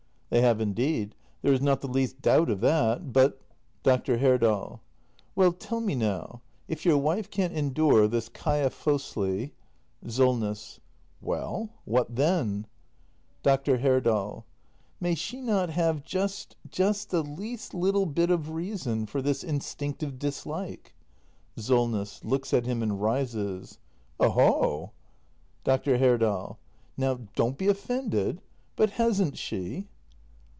They have, indeed. There is not the least doubt of that. But ? Dr. Herdal. Well, tell me now — if your wife can't endure this Kaia Fosli ? SOLNESS. Well, what then ? Dr. Herdal. — may she not have just — just the least little bit of reason for this instinctive dislike ? SOLNESS. [Looks at him and rises.] Oho! Dr. Herdal. Now don't be offended — but hasn't she